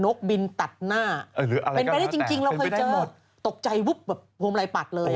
นกบินตัดหน้าเป็นแบบนี้จริงเราเคยเจอตกใจวุ๊บพวงลายปัดเลย